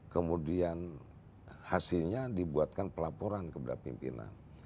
kemudian hasilnya dibuatkan pelaporan kepada pimpinan